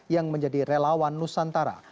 yang menjadi relawan nusantara